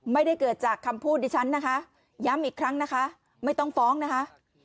ไม่ได้เกิดจากคำพูดดิฉันนะคะย้ำอีกครั้งนะคะไม่ต้องฟ้องนะคะ